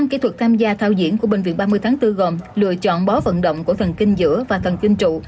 năm kỹ thuật tham gia thao diễn của bệnh viện ba mươi tháng bốn gồm lựa chọn bó vận động của thần kinh giữa và thần kinh trụ